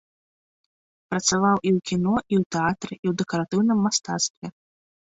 Працаваў і ў кіно і ў тэатры і ў дэкаратыўным мастацтве.